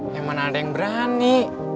yang mana ada yang berani